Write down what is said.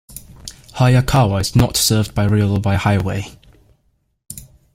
Hayakawa is not served by rail or by highway.